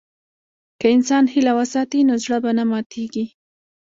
که انسان هیله وساتي، نو زړه به نه ماتيږي.